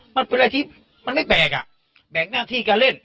มันเป็นอะไรที่มันไม่แบกอ่ะแบกหน้าที่การเล่น